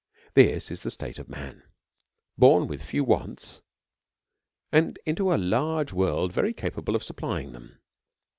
This is the state of man, born with few wants, and into a large world, very capable of supplying them.